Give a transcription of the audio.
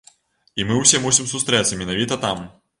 І мы ўсе мусім сустрэцца менавіта там.